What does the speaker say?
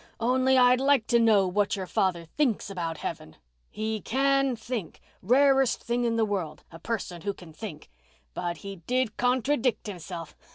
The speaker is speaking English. Only I'd like to know what your father thinks about heaven—he can think—rarest thing in the world—a person who can think. But he did contradict himself.